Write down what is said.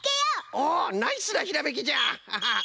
おおナイスなひらめきじゃ！